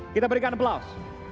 kita berikan aplaus